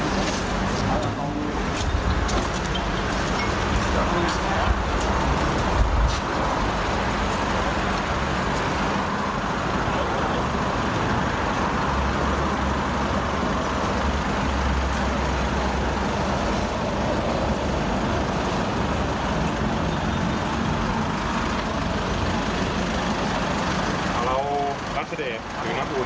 สวัสดีครับ